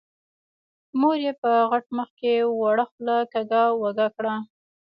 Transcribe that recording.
مور يې په غټ مخ کې وړه خوله کږه وږه کړه.